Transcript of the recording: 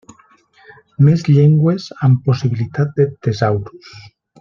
Més llengües amb possibilitat de tesaurus.